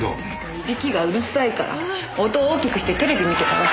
イビキがうるさいから音大きくしてテレビ見てたわ。